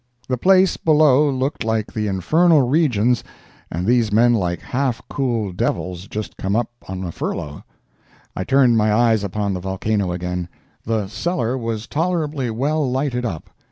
The place below looked like the infernal regions and these men like half cooled devils just come up on a furlough. I turned my eyes upon the volcano again. The "cellar" was tolerably well lighted up.